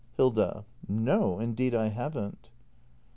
Hilda. No, indeed I haven't.